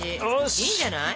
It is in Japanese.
いいんじゃない？